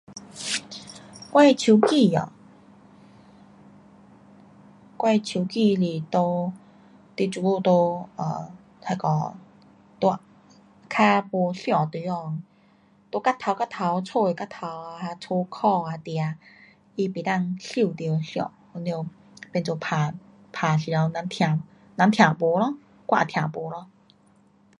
我的手机啊，我的手机是在，你这久在，um 那个较没线地方，在角头角头，家的角头啊，um 家脚啊哪，它不能收到线。那就变做打时头人听，人听没咯。我也听没咯。